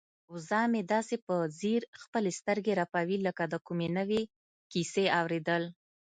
وزه مې داسې په ځیر خپلې سترګې رپوي لکه د کومې نوې کیسې اوریدل.